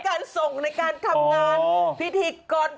การส่งในการทำงานพิธีกร